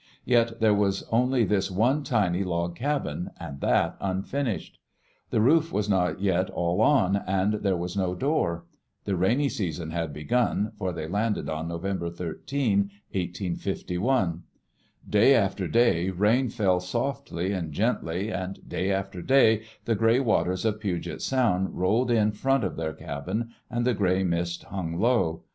Yet there was only this one tiny log cabin, and that unfinished. The roof was not yet all on, and there was no door. The rainy season had begun, for they landed on November 13, 1 85 1. Day after day rain fell softly and gently, and day after day the gray waters of Puget Sound rolled in front of their cabin and the gray mist hung low.